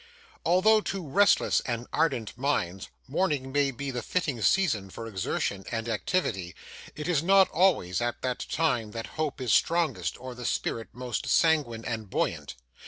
Although, to restless and ardent minds, morning may be the fitting season for exertion and activity, it is not always at that time that hope is strongest or the spirit most sanguine and buoyant.